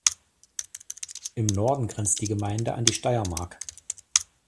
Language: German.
Im Norden grenzt die Gemeinde an die Steiermark.